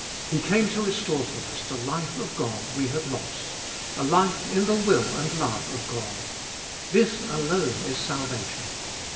He came to restore to us the life of God we had lost — a life in the will and love of God. This alone is salvation.